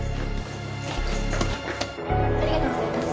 ありがとうございます。